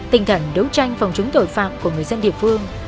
tinh thần đấu tranh phòng chống tội phạm của người dân địa phương